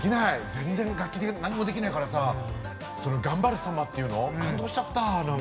全然楽器何にもできないからさ頑張るさまっていうの感動しちゃった何か。